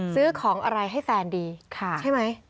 ซื้อของอะไรให้แฟนดีใช่ไหม